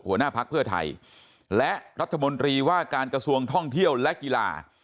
หัวหน้าพักเพื่อไทยและรัฐมนตรีว่าการกระทรวงท่องเที่ยวและกีฬา